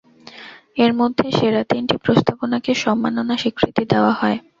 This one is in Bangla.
এর মধ্যে সেরা তিনটি প্রস্তাবনাকে সম্মাননা স্বীকৃতি দেওয়া হয়।